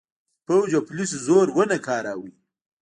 د پوځ او پولیسو زور ونه کاراوه.